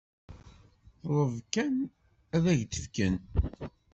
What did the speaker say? Ḍleb kan, ad k-d-fken.